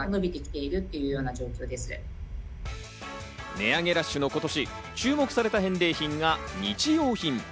値上げラッシュの今年、注目された返礼品が日用品。